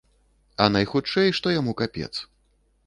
А найхутчэй што яму капец.